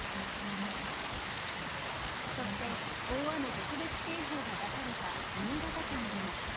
そして、大雨特別警報が出された新潟県でも。